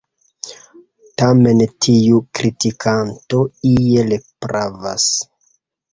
Tamen tiu kritikanto iel pravas.